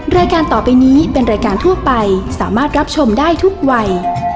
รายการต่อไปนี้เป็นรายการทั่วไปสามารถรับชมได้ทุกวัย